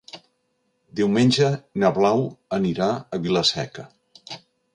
Diumenge na Blau anirà a Vila-seca.